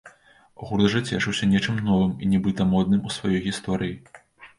Гурт жа цешыўся нечым новым і нібыта модным у сваёй гісторыі.